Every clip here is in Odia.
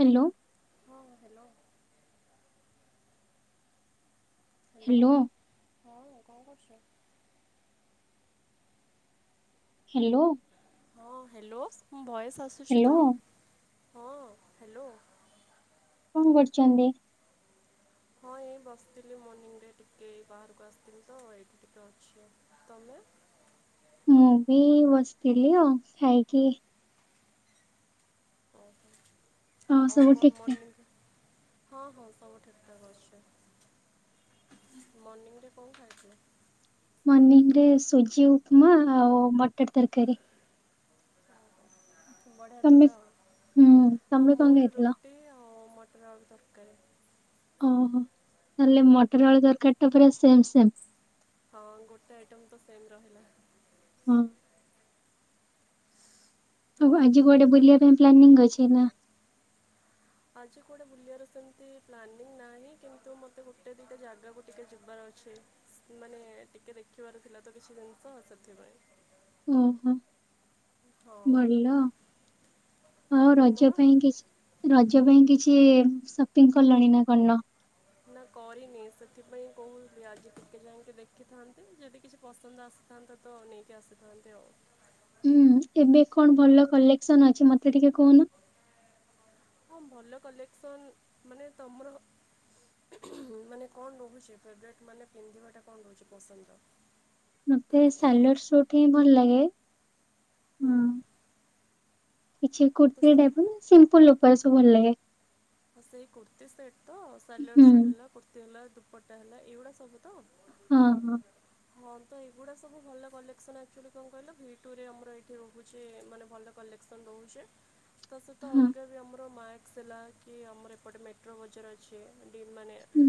ହେଲୋ। ହଁ ହେଲୋ। ହ୍ୟାଲୋ। ହାଲୋ। ହଁ କଣ କରୁଚୁ? ହାଲୋ। ହଁ ହେଲୋ ମ ଭଏସ୍ ଆସୁଚି ତ ହ୍ୟାଲୋ ହଁ ହାଲୋ। କଣ କରୁଚନ୍ତି? ହଁ ଏଇ ବସଥିଲି ମର୍ଣ୍ଣିଂ ରେ ଟିକେ ବାହାରକୁ ଆସିଥିଲି ତ ଏଇଠି ଟିକେ ଅଛି ଆଉ। ତମେ। ମୁଁ ବି ବସିଥିଲି ଆଉ ଖାଇକି। ହଁ ଅହ ଆଉ ସବୁ କଣ ଠିକ ଠାକ। ମନି ହଁ ହଁ ସବୁ ଠିକ୍ ଠାକ୍ ଅଛି ମର୍ଣ୍ଣିଂରେ କଣ ଖାଇଥିଲ? ମନିଙ୍ଗ ରେ ସୁଜି ଉପମା ଆଉ ମଟର ତରକାରୀ। ବଢ଼ିଆ ତମେ ଥିଲା ଆଉ ହୁଁ ହଁ ତମେ କଣ ମୋର ଖାଇଥିଲ? ରୁଟି ଆଉ। ର ତରକାରୀ। ଅହ ତାହେଲେ ମଟର ଆଳୁ ତରକାରୀ ଟା ପୁରା ସେମ୍ ସେମ୍। ହଁ ଗୋଟେ ଆଇଟମ ତ ସେମ୍ ରହିଲା। ହଁ ଆଉ ଆଜି କୁଆଡେ ବୁଲିବା ପାଇଁ ପ୍ଲାନିଂ ଅଛି ନା। ଆଜି କୁଆଡେ ବୁଲିବାର ସେମତି ପ୍ଲାନିଂ ନାହିଁ କିନ୍ତୁ ମୋତେ ଗୋଟେ ଦିଟା ଜାଗାକୁ ଟିକେ ଯିବାର ଅଛି। ସେମାନେ ଟିକେ ଦେଖିବାର ଥିଲା ତ କିଛି ଜିନିଷ ସେଥିପାଇଁ। ଓହୋ ହଁ ଭଲ ଆଉ ରଜ ପାଇଁ କିଛି ରଜ ପାଇଁ କିଛି ସପିଂ କଲଣି ନା କରିନ? ନା କରିନି ସେଥିପାଇଁ କହୁଥିଲି ଆଜି ଟିକେ ଯାଇଁ କି ଦେଖିଥାନ୍ତି ଯଦି କିଛି ପସନ୍ଦ ଆସ ଥାନ୍ତା ତ ନେଇକି ଆସିଥାନ୍ତି ଆଉ। ହୁଁ ଏବେ କଣ ଭଲ କଲେକ୍ସନ ଅଛି ମତେ ଟିକେ କହୁନ। ହଁ ଭଲ କଲେକ୍ସନ୍ ମାନେ ତମର ମାନେ କଣ ରହୁଚି ଫେବରେଟ ମାନେ ପିନ୍ଧିବାଟା କଣ ରହୁଚି ପସନ୍ଦ? ମତେ ସାଲ୍ୱାର ସୁଟ ହିଁ ଭଲ ଲାଗେ। ହୁଁ। ହଁ। କିଛି କୁର୍ତ୍ତୀ ତ ଟାଇପ ସିମ୍ପୁଲ ଲୋକ ସବୁ ଭଲ ଲାଗେ। ସେଇ କୁର୍ତ୍ତୀ ସେଟ୍ ତ ସାଲୱାର ହୁଁ ସୁଟ୍ ହେଲା କୁର୍ତ୍ତୀ ହେଲା ଦୁପଟା ହେଲା ଏଇଗୁଡା ସବୁ ତ। ହଁ ହଁ। ହଁ ତ ଏଇଗୁଡା ସବୁ ଭଲ କଲେସନ ଆକ୍ଚୁଆଲି କଣ କହିଲ ଭି ଟୁରେ ଆମର ଏଇଠି ରହୁଛି ମାନେ ଭଲ କଲେ କଲେକ୍ସନ ରହୁଛି। [unintelligible] ତା ସହିତ ହଁ ଅଲଗା ବି ଆମର ମାକ୍ସ ହେଲା କି ଆମର ଏପଟେ ମେଟ୍ରୋ ବଜାର ଅଛି ମାନେ ହୁଁ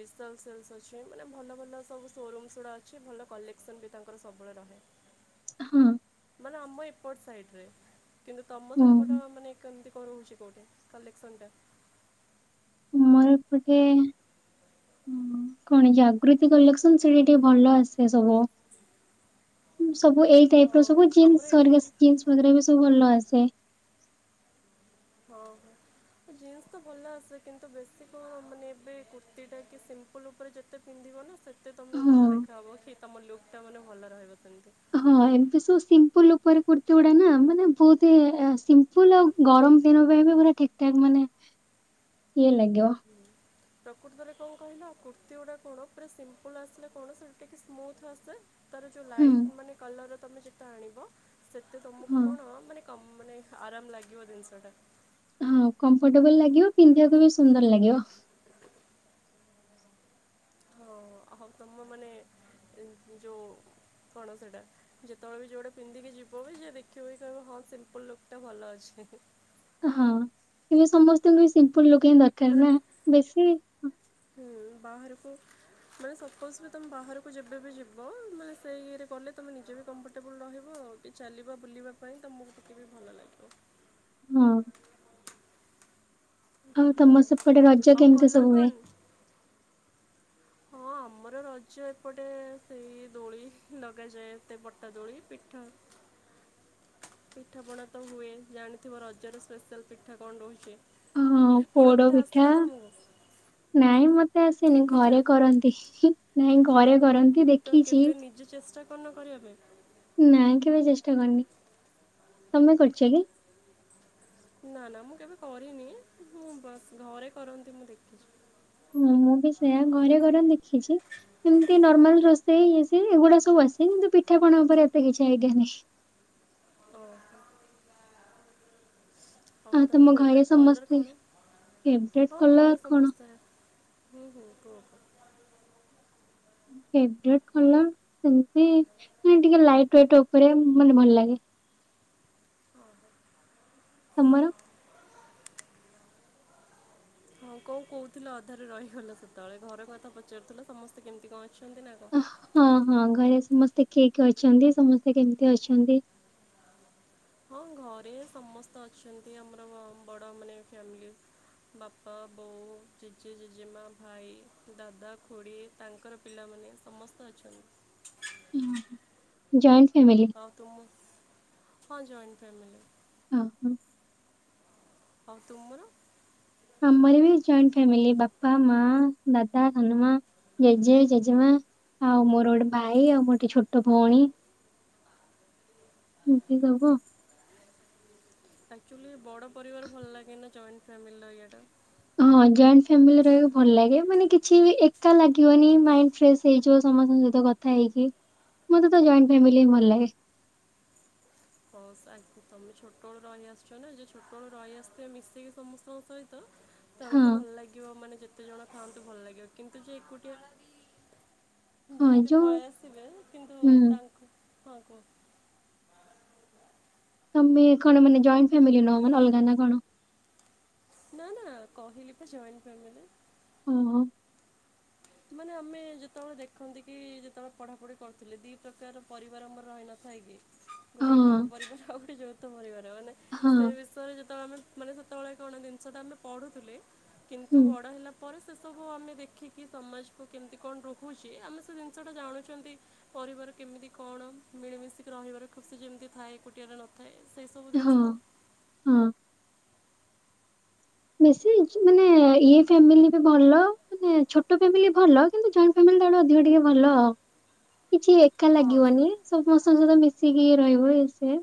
ଵିଶାଲ୍ ସେଲସ୍ ଭଲ ଭଲ ସବୁ ସୋରୁମସ୍ ଗୁଡା ଅଛି। ଅଛି ଭଲ କଲେକ୍ସନ୍ ବି ତାଙ୍କର ସବୁବେଳେ ରହେ। ହଁ। ମାନେ ଆମ ଏପଟ ସାଇଟରେ କିନ୍ତୁ ତମ ହୁଁ ସେପଟ ମାନେ କେମିତି କଣ ରହୁଛି କେଉଠି? ତ ଲେକ୍ସନ୍ଟା। ମୋରପଟେ। ହ କଣ ଜାଗୃତି କଲେକ୍ସନ୍ ସେଟି ଟିକେ ଭଲ ଆସେ ସବୁ। ସବୁ ଏଇ ଟାଇପ ହଁ ର ସବୁ ଜିନ୍ସ ଆମର ସର ଏଠି ଜିନ୍ସ ଭ ବି ସବୁ ଭଲ ଆସେ। ହଁ। ଜିନ୍ସ ତ ଭଲ ଆସେ କିନ୍ତୁ ବେଶୀ କଣ ମାନେ ଏବେ କୁର୍ତ୍ତୀଟା କି ସିମ୍ପଲ୍ ଉପରେ ଯେ ତେ ପିନ୍ଧିବ ନା ସେତେ ତମେ ହଁ। ଭଲ ଦେଖାହବ କି ତମ ଲୁକ୍ ଟା ମାନେ ଭଲ ରହିବ ସେମିତି। ହଁ ଏମତି ସବୁ ସିମ୍ପଲ ଉପରେ କୁର୍ତ୍ତିୀ ଗୁଡା ନା ମାନେ ବହୁତି ସି ଫୁଲ ଆଉ ଗରମ ଦିନ ପାଇଁ ବି ପୁରା ଠିକ ଠାକ ମାନେ ଇଏ ଲାଗିବ। ପ୍ରକୃତରେ କଣ କହିଲା କୁର୍ତ୍ତୀ ଗୁଡା କଣ ପୁରା ସିମ୍ପଲ ଆସିଲା କଣ ସେଠା ଟିକେ ସ୍ମୁଥ ଆସେ ତାର ଯୋଉ ହୁଁ ଲାଇଟ୍ ମାନେ କଲର ତମେ ସେତେ ଆଣିବ ସେତେ ହଁ। ତମକୁ କଣ ମାନେ କ ମାନେ ଆରାମ ଲାଗିବ ଜିନିଷଟା। ହଁ କମ୍ଫର୍ଟେବଲ ଲାଗିବ ପିନ୍ଧିବାକୁ ବି ସୁନ୍ଦର ଲାଗିବ। ହଁ ହଉ ତମ ମାନେ ଯୋଉ କଣ ସେଟା? ଯେତେବେଳେ ବି ଯଉଟା ପିନ୍ଧିକି ଯିବ ବି ଯିଏ ଦେଖିବ ବି କହିବ ହଁ ସିମ୍ପଲ ଲୁକ୍ ଟା ଭଲ ଅଛି। ହୁଁ ହୁଁ। ହଁ ଏବେ ସମସ୍ତଙ୍କୁ ବି ସିମ୍ପଲ ଲୁକ ହି ଦରକାର ମାନେ ନା ବେଶୀ ହୁଁ ବାହାରକୁ ମାନେ ସପୋଜ୍ ବି ତୁମେ ବାହାରକୁ ଯେବେ ବି ଯିବ ମାନେ ସେଇ ଇଏରେ କଲେ ତୁମେ ନିଜେ ବି କମ୍ଫର୍ଟେବୁଲ୍ ରହିବ ଆଉ ଟ ଚାଲିବା ବୁଲିବା ପାଇଁ ତ ମକୁ ଟିକେ ବି ଭଲ ଲାଗିବ। ହଁ। ଆଉ ହଁ ତମ ସେପଟେ ରଜ ଆଉ କେମିତି କଲର୍ ସବୁ ହୁଏ? କଣ? ହଁ ଆମର ରଜ ଏପଟେ ସେଇ ଦୋଳି ଲଗାଯାଏ ଏତେ ବଟା ଦୋଳି ପିଠା ପିଠାପଣା ତ ହୁଏ ଜାଣିଥିବ ରଜର ସ୍ପେଶାଲ୍ ପିଠା କଣ ରହୁଛି? ହଁ ପୋଡ ପୋଡ଼ପିଠା ଆସେ ପିଠା ନା ତମକୁ ନାଇଁ ମତେ ଆସେନି ଶିଖିଛ ଘରେ କରନ୍ତି। ନାଇଁ ଘରେ କରନ୍ତି। ତ ଦେଖିଛି କେବେ ନିଜେ ଚେଷ୍ଟା କଣ କରିବା ପାଇଁ? ନାଇଁ କେବେ ଚେଷ୍ଟା କରିନି ତମେ କରୁଛ କି? ନା ନା ମୁଁ କେବେ କରିନି ମୁଁ ବାସ୍ ଘରେ କରନ୍ତି ମୁଁ ଦେଖିଛି। ହଁ ମୁଁ ବି ସେଇୟା ଘରେ ଘର ଦେଖିଛି। ଏମିତି ନର୍ମାଲ ରୋଷେଇ ଇଏ ସିଏ ଏଗୁଡା ସବୁ ଆସେ କିନ୍ତୁ ପିଠା କଣ ଉପରେ ଏତେ କିଛି ଆଇଡିଆ ନାହିଁ। ଓହୋ। ହଉ ଆଉ ତମ ତାହେଲେ ଘରେ ଫେବରେଟ୍ କଲର୍ ସମସ୍ତେ କଣ? ଫେବରେଟ ହଁ କଲର ଘରେ କଣ? ସମସ୍ୟା। ହୁଁ ହୁଁ ହଁ। ଫେବରେଟ କଲର୍ ସେମତି ମାନେ ଟିକେ ଲାଇଟ ୱେଟ୍ ଉପରେ ମାନେ ଭଲ ଲାଗେ। ତମର। ହଁ କୋଉ କହୁଥିଲେ ଅଧାରେ ରହିଗଲେ ସେତେବେଳେ ଘର କଥା ପଚାରୁଥିଲ ସମସ୍ତେ କେମିତି କଣ ଅଛନ୍ତି ନା କଣ ହଁ ହଁ ଘରେ ସମସ୍ତେ କିଏ କି ଅଛନ୍ତି? ସମସ୍ତେ କେମିତି ଅଛନ୍ତି? ହଁ, ଘରେ ସମସ୍ତ ଅଛନ୍ତି। ଆମର ବଡ ମାନେ ଫ୍ୟାମିଲି। ବାପା, ବୋଉ, ଜେଜେ, ଜେଜେମା, ଭାଇ, ଦାଦା, ଖୋଡ଼ି ତାଙ୍କର ପିଲାମାନେ ସମସ୍ତେ ଅଛନ୍ତି। ହଁ। Joint family. ହ ତୁମ ହଁ ଜଏଣ୍ଟ ଫ୍ୟାମିଲି। ହ ହ। ହଉ ତୁମର। ଆମର ବି ଜଏଣ୍ଟ ଫ୍ୟାମିଲି ବାପା, ମା, ଦାଦା, ହନୁମା ଜେଜେ, ଜେଜେମା, ଆଉ ମୋରଡେ ଭାଇ ଆଉ ମୋର ଟିକେ ଛୋଟ ଭଉଣୀ ଏମତି ସବୁ। ଆକ୍ଚୁଆଲି ବଡ଼ ପରିବାର ଭଲ ଲାଗେ ନା ଜଏଣ୍ଟ ଫ୍ୟାମିଲିର ଏଆଟା। ହଁ ଜଏଣ୍ଟ ଫ୍ୟାମିଲି ରହିବାକୁ ଭଲ ଲାଗେ। ମାନେ କିଛି ଏକା ଲାଗିବନି। ମାଇଣ୍ଡ ଫ୍ରେଶ ହେଇଯିବ। ସମସ୍ତଙ୍କ ସହିତ କଥ ଥା ହେଇକି ମତେ ତ ଜଏଣ୍ଟ ଫ୍ୟାମିଲି ହିଁ ଭଲ ଲାଗେ। ହଁ ଆ ତମେ ଛୋଟବେଳୁ ରହିଆସିଛ ନା ଯେ ଛୋଟବେଳୁ ରହିଆସିିଥିବ ମିଶିକି ସମସ୍ତଙ୍କ ସହିତ ହଁ ତାଙ୍କୁ ଭଲ ଲାଗିବ ମାନେ ଯେତେ ଜଣ ଖାଆନ୍ତି। ଭଲ ଲାଗିବ କିନ୍ତୁ ଯେ ଏକୁଟିଆ ହଁ ଯେମିତି ଯୋଉ ପଳେଇଆସିବେ। କିନ୍ତୁ ହୁଁ ତାଙ୍କୁ ହଁ କୁହ ତମେ କଣ ମାନେ ଜଏଣ୍ଟ ଫ୍ୟାମିଲି ନୁଁହ ମାନେ ଅଲଗା ନା କଣ? ନା ନା କହିଲି ପା ଜଏଣ୍ଟ ଫ୍ୟାମିଲି। ଓହୋଃ। ମାନେ ଆମେ ଯେତେବେଳେ ଦେଖନ୍ତି କି ଯେତେବେଳେ ପଢାପଢି କରୁଥିଲେ। ଦି ପ୍ରକାର ପରିବାର ଆମର ରହିନଥାଏ କି? ଗୋଟେ ହଁ ଏକକ ପରିବାର ଆଉ ଗୋଟେ ଯୌଥ ପରିବାର। ମାନେ ହଁ ସେ ବିସ [unintelligible] ଯେତେବେଳେ ଆମେ ସେତେବେଳେ କଣ ଜିନିଷଟା ଆମେ ପଢୁଥିଲେ। କିନ୍ତୁ ହୁଁ ବଡ଼ ହେଲା ପରେ ସେ ସବୁ ଆମେ ଦେଖିକି। ସମାଜକୁ କେମିତି କଣ ରହୁଛି। ଆମେ ସେ ଜିନିଷଟା ଜାଣୁଛନ୍ତି। ପରିବାର କେମିତି କଣ ମିଳିମିଶିକି ରହିବାର ଖୁସି ଯେମିତି ଥାଏ। ଏକୁଟିଆରେ ନ ଥାଏ ସେଇସବୁ ହଁ ଜିନିଷ ହଁ। ବେଶି [unintelligible] ମାନେ ଇଏ ଫ୍ୟାମିଲି ବି ଭଲ। ମାନେ ଛୋଟ ଫ୍ୟାମିଲି ଭଲ। କିନ୍ତୁ ଜଏଣ୍ଟ ଫ୍ୟାମିଲି ତାଠୁ ଅଧିକ ଟିକେ ଭଲ କିଛି ଏକା ହଁ ଲାଗିବନି ସବୁ ସମସ୍ତଙ୍କ ସହିତ ମିଶିକି ରହିବ। ଇଏ ସିଏ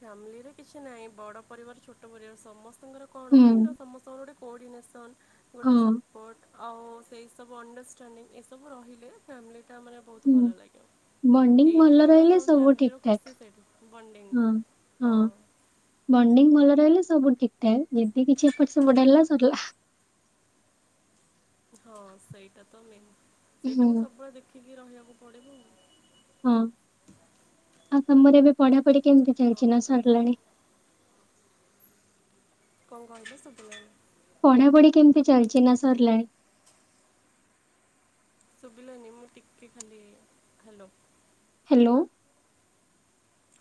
ଫ୍ୟାମିଲିରେ କିଛି ନାହିଁ। ବଡ ପରିବାର ଛୋଟ ପରିବାର ସମସ୍ତଙ୍କର କଣ ହୁଁ ସମସ୍ତଙ୍କର ଗୋଟେ କୋର୍ଡିନେସନ୍ ହଁ ଗୋଟେ ସପୋର୍ଟ। ଆଉ ସେଇ ସବୁ ଅଣ୍ଡରଷ୍ଟାଣ୍ଡିଙ୍ଗ। ଏସବୁ ରହିଲେ ଫ୍ୟାମିଲିଟା ମାନେ ବହୁତ ହୁଁ ଭଲ ଲାଗିବ। ବଣ୍ଡିଙ୍ଗ ଭଲ ଏଇଠି ତ ରହିଲେ ହଁ ସବୁ ଠିକ ଫ୍ୟାମିଲିର ଠାକ ଖୁସି ସେଇଠି ବଣ୍ଡିଙ୍ଗ। ହଁ। ହଁ। ବଣ୍ଡିଙ୍ଗ ଭଲ ରହିଲେ। ସବୁ ଠିକ୍ ଠାକ ଯଦି କିଛି ଏପଟ ସେପଟ ହେଲା ସରିଲା। ହଁ, ସେଇଟା ତ ମେନ୍। ହୁଁ ସେଇଟାକୁ ସବୁବେଳେ ଦେଖିକି ରହିବାକୁ ପଡିବ ଆଉ ହଁ ଆଉ ସମରେ ଏବେ ପଢା ପଢି କେମିତି ଚାଲିଛି ଆଉ ହଁ ନା ସରିଲାଣି। କଣ କହିଲେ ଶୁଭିଲାନି ପଢା ପଢି କେମିତି ଚାଲିଛି ନା ସରିଲାଣି। ଶୁଭିଲାନିି, ମୁଁ ଟିିକେ ଖାଲି ହ୍ୟାଲୋ ହ୍ୟାଲୋ।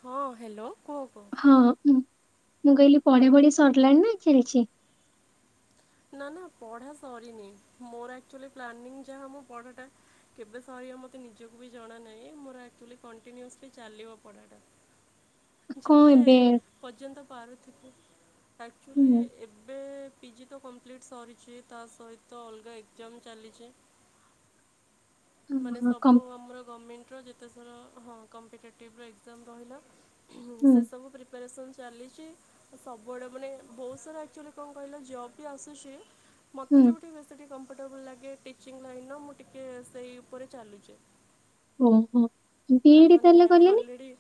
ହଁ, ହ୍ୟାଲୋ କୁହ କୁହ। ହଁ, ମୁ ମୁଁ କହିଲି ପଢି ପଢି ସରିଲାଣି ନା ଚଲିଛି। ନା ନା ପଢା ସରିନ ମୋର ଆକଚୁଆଲି ପ୍ଲାନିଂ ଯାହା ମୁ ପଢାଟା କେବେ ସରିବ ମୋତେ ନିଜକୁ ବି ଜଣା ନାହିଁ। ମୋର ଆକଚୁଆଲି କଣ୍ଟିନ୍ୟୁୟସଲି ଚାଲିବ ପଢ଼ାଟା। ହ [inaudible] ଯେତେ ପର୍ଯ୍ୟନ୍ତ ପାରୁଥିବେ। ଆକଚୁଆଲି ହୁଁ ଏବେ ପି ଜି ତ କମ୍ପ୍ଲିଟ୍ ସରିଛି। ତା ସହିତ ଅଲଗା ଏକଜାମ ଚାଲିଛି। ମାନେ ହଁ ସବୁ କମ୍ ଆମର ଗମେଣ୍ଟର ଯେ ଥର ହଁ କମ୍ପିଟେଟିଭ ର ଏକଜାମ ରହିଲା ହୁଁ ସେସବୁ ପ୍ରି ପ୍ରିପାରେସନ୍ ଚାଲିଛି ସବୁଆଡ଼େ ମାନେ ବହୁତ ସାରା ଆକଚୁଆଲି କଣ କହିଲା ଜବ୍ ଆସୁଛି ହୁଁ ମତେ ଯୋଉଟ ଟିକେ ବେଶି ଟିକେ କମ୍ଫର୍ଟେବୁଲ୍ ଲାଗେ ଟିଚିଂ ଲାଇନର ମୁଁ ଟିକି ସେଇ ଉପରେ ଚାଲୁଛି। ଓହୋ। ବି ତା ଇ ଡି ମାନେ ତାହେଲେ କଲେନି ହଲେଡ଼ି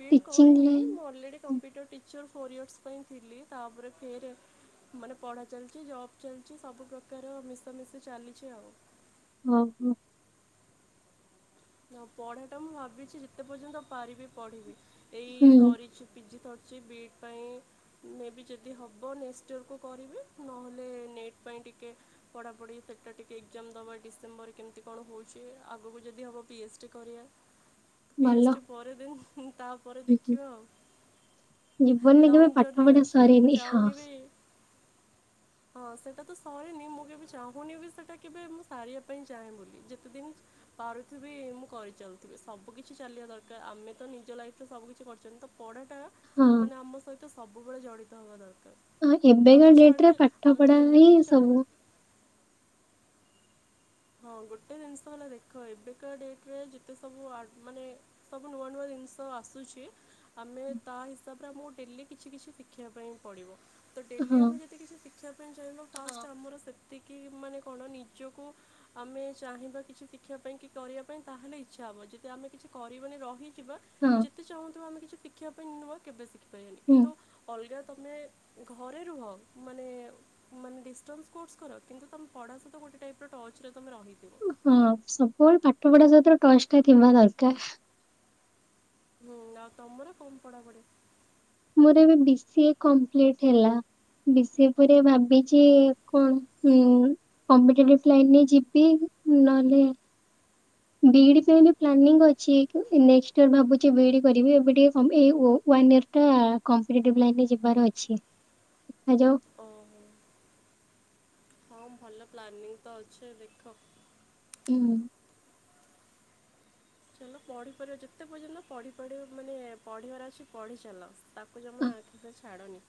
ବିଡ଼୍ ଟିଚିଂ କରିନି ଲାଇନ୍ ମୁଁ already computer teacher four years ପାଇଁ ଥିଲି ତାପରେ ଫେର୍ ମାନେ ପଢା ଚାଲିଛି ଜବ ଚାଲିଛି ସବୁ ପ୍ରକାର ମିଶା ମିଶି ଚାଲିଛି ଆଉ। ଓହୋ। ନ ପଢାଟା ମୁଁ ଭାବିଛି ଯେତେ ପର୍ଯ୍ୟନ୍ତ ପାରିବି ପଢିବି। ଏଇ ହୁଁ ସରିଛିି ପି ଜି ସରିଛି ବି ଡ଼ ପାଇଁ ମେ ବି ଯଦି ହେବ ନେକ୍ସଟ ଇୟରକୁ କରିଵି ନହେଲେ ନେଟ୍ ପାଇଁ ଟିକେ ପଢାପଢି ସେଟା ଟିକେ ଏକଜାମ ଦବା ଡିସେମ୍ବର କେମିତି କଣ ହଉଛି ଆଗକୁ ଯଦି ହବ ପି ହେଚ ଡି କରିବା ପି ହେଚ ଭଲ। ଡି ପରେ ଦେନ ତାପରେ ହୁଁ, ହୁଁ। ଦେଖିବା ଆଉ। ଜୀବନରେ କେବେ ଲଙ୍ଗ ପାଠ ଜର୍ଣ୍ଣି ପଢା ଅଛି ମୁଁ ସରେନି ହଁ ଚାହୁଁନି ବି ହଁ ସେଟା ତ ସରେନି। ମୁଁ କେବେ ଚାହୁଁନି ବି ସେଟା କେବେ ମୁଁ ସାରିବା ପାଇଁ ଚାହେଁ ବୋଲି ଯେତେ ଦିନ୍ [unintelligible] ତଥାବି ମୁଁ କରିଚାଲୁଥିବି ସବୁ କିିଛି ଚାଲିବା ଦରକାର। ଆମେ ତ ନିଜ ଲାଇଫିରେ ସବୁକିଛି କରିଚନ୍ତି ତ ପଢା ଟା ହଁ। ମାନେ ଆମ ସହିତ ସବୁବେଳେ ଜଡିତ ହବା ଦରକାର। ହଁ ଏବେକା ତାକୁ ଡେଟରେ ଛାଡିଦେ ପାଠ ଆମେ ପଢା ହିଁ ସେମିତି ବି ସବୁ ଚାହିଁଲେ ହଁ ଗୋଟେ ଜିନିଷ ହେଲା ଦେଖ ଏବେ ଆଜିକା ଡେଟରେ ଯେତେ ସବୁ ଆଡ୍ ମାନେ ସବୁ ନୂଆ ନୂଆ ଜିନିଷ ଆସୁଚି। ଆମେ ତା ହିସାବରେ ଆମକୁ ଡେଲି କିଛି କିଛି ଶିଖିବା ପାଇଁ ପଡିବ। ତ ଡେଲି ହଁ ଆମେ ଯଦି କିଛି ଶିଖିବା ପାଇଁ ଚାହିଁବ ଫାଷ୍ଟ ଆମର ସେତିକି ମାନେ କଣ ନିଜକୁ ଆମେ ଚାହିଁବା କିଛି ଶିଖିବା ପାଇଁ କି କରିବା ପାଇଁ ତାହେଲେ ଇଚ୍ଛା ହବ। ଯଦି ଆମେ କିଛି କରିବାନି ରହିଯିବା ହଁ। ଯେତେ ଚାହୁଁଥିବା ଆମେ କିଛି ଶି ଖିବା ପାଇଁ [unintelligible] କେବେ ଶିଖିପାରିବନି ହୁଁ କିନ୍ତୁ ଅଲଗା ତମେ ଘରେ ରୁହ ମାନେ ମାନେ ଡିଷ୍ଟାନ୍ସ କୋର୍ସ କର କିନ୍ତୁ ତମ ପଢା ସହିତ ଗୋଟେ ଟାଇପର ଟର୍ଚ୍ଚରେ ତମେ ରହିଥିବ। ହଁ ସବୁବେଳେ ପାଠ ପଢା ସହିଚ ଟଚ୍ଚଟା ଥିବା ଦରକାର। ହୁଁ ଆଉ ତମର କଣ ପଢାପଢି? ମୋର ଏବେ ବି ସିଏ କମ୍ପ୍ଲିଟ ହେଲା ବି ସିଏ ପରେ ଭାବିଚି ଓ କଣ ହୁଁ କମ୍ପିଟେଟିଭ୍ ଲାଇନରେ ଯିବି ନହେଲେ ବିଇଡି ପାଇଁ ବି ପ୍ଲାନିଂ ଅଛି ନେକ୍ସଷ୍ଟ ଇୟର ଭାବୁଚି ବିଇଡି କରିବି ଏବେ ଟିକେ କଣଏଇ ଉ ୱାନ୍ ଇୟର। ଟା କମ୍ପିଟେଟିଭ୍ ଲାଇନରେ ଯିବାର ଅଛି ଦେଖାଯାଉ। ଓହୋ ହଁ ଭଲ ପ୍ଲାନିଂ ତ ଅଛି ଦେଖ। ହୁଁ। ଚାଲ ପଢିପାରିବ ଯେତେ ପର୍ଯ୍ୟନ୍ତ ପଢିପାରିବ ମାନେ ପଢିବାର ଅଛି ପଢି ଚାଲ। ତାକୁ ଜମା ଆଖିରେ ଛାଡନି।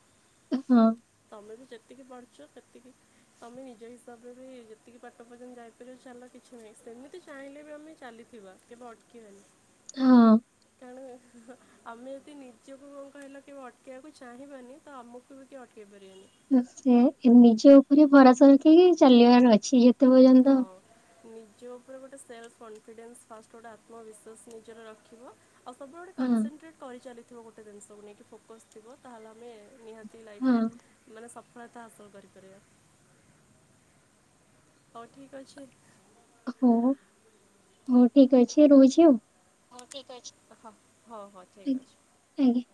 ହଁ ତମେ ବି ଯେତିକି ପାରୁଚ ସେତିକି ତମେ ନିଜ ହିସାବରେ ବି ଯେତିକି ପାଟ ପର୍ଯ୍ୟନ୍ତ ଯାଇପାରିବ ଚାଲ କିଛି ନାହିଁ ସେମିତି ଚାହିଁଲେ ବି ଆମେ ଚାଲିଥିବା। କେବେ ଅଟକିବାନି। ହଁ। [unintelligible] ଆମେ ଯଦି ନିଜକୁ କଣ କହିଲ କେବେ ଅଟକେଇବାକୁ ଚାହିଁବାନି ତ ଆମକୁ ବି କେହି ଅଟକେଇ ପାରିବେନି। ସେ ନିଜ ଉପରେ ଭରସା ରଖିକି ଚାଲିବାର ଅଛି। ହଁ। ପର୍ଯ୍ୟନ୍ତ ନିଜ ଉପରେ ଗୋଟେ ସେଲ୍ଫ କନଫିଡେନ୍ସ ଫାଷ୍ଟ ଗୋଟେ ଆତ୍ମବିଶ୍ୱାସ ନିଜର ରଖିବ। ଆଉ ସବୁବେଳେ ହଁ କନସେନଟ୍ରେଟ୍ କରିଚାଲିଥିବ ଗୋଟେ ଜିନିଷକୁ ନେଇକି ଫୋକସ୍ ଥିବ ତାହେଲେ ଆମେ ନିହା ହଁ ଲାଇଫିରେ ମାନେ ସଫଳତା ହାସଲ କରିପାରିବା। ହୋଉ ଠିକ୍ ଅଛି। ହୋଉ ହୋଉ ଠିକ୍ ଅଛି ରହୁଚି ଆଉ। ହୋଉ ଠିକ୍ ଅଛି ରଖ ହୋଉ ହୋଉ। ଆଜ୍ଞା ଆଜ୍ଞା।